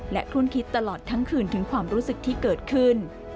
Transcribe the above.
และคลุ่นคิดตลอดทั้งคืนถึงความรู้สึกที่เกิดขึ้น